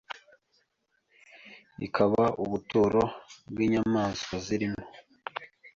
ikaba ubuturo bw’inyamaswa zirimo